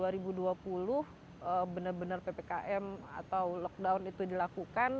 waktu pendek wc dan saat benar benar ppkm atau lockdown itu dilakukan